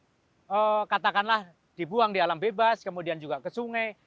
jadi jangan sampai sampah sampah itu katakanlah dibuang di alam bebas kemudian juga ke sungai